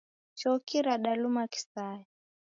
Choki radaluma kisaya.